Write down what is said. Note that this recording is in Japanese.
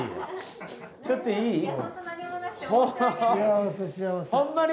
ちょっといい？